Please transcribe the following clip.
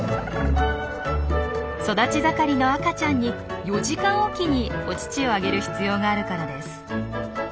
育ち盛りの赤ちゃんに４時間おきにお乳をあげる必要があるからです。